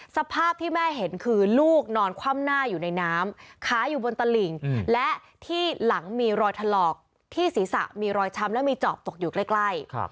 สภาพที่แม่เห็นคือลูกนอนคว่ำหน้าอยู่ในน้ำขาอยู่บนตลิ่งและที่หลังมีรอยถลอกที่ศีรษะมีรอยช้ำและมีจอบตกอยู่ใกล้